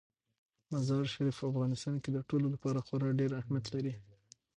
مزارشریف په افغانستان کې د ټولو لپاره خورا ډېر اهمیت لري.